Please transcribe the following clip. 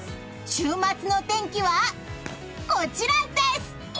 週末の天気はこちらです！